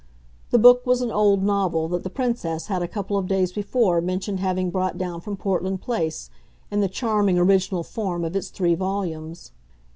The book was an old novel that the Princess had a couple of days before mentioned having brought down from Portland Place in the charming original form of its three volumes.